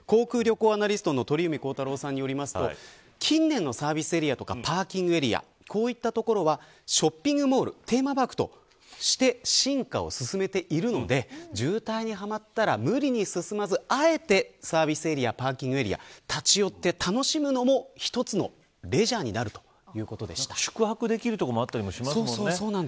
航空・旅行アナリストの鳥海高太朗さんによりますと近年のサービスエリアやパーキングエリアはショッピングモールテーマパークとして進化を進めているので渋滞にはまったら、無理に進まずあえて、サービスエリアパーキングエリア立ち寄って楽しむのも一つのレジャーになる宿泊できる所もあったりしますもんね。